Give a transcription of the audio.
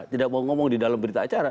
tidak mau ngomong di dalam berita acara